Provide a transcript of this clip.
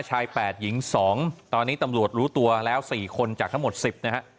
ชายแปดหญิงสองตอนนี้ตำรวจรู้ตัวแล้วสี่คนจากทั้งหมดสิบนะฮะ